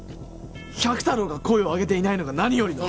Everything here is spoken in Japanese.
百太郎が声を上げていないのが何よりの。